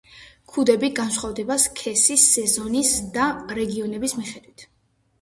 ქუდები განსხვავდება სქესის, სეზონის და რეგიონის მიხედვით.